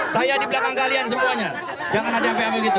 saya di belakang kalian semuanya jangan ada yang paham begitu